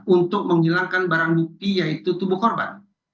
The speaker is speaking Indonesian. untuk menghilangkan barang bukti yaitu tubuh korban